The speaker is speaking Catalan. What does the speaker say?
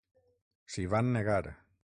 S'hi van negar.